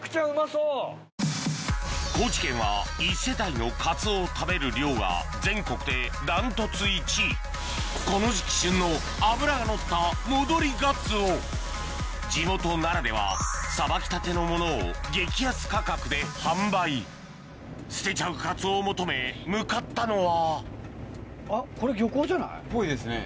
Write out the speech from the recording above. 高知県は１世帯のカツオを食べる量が全国で断トツ１位この時期旬の地元ならではさばきたてのものを激安価格で販売捨てちゃうカツオを求め向かったのはっぽいですね。